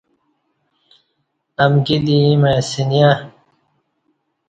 امکی دی ییں مع سنیہ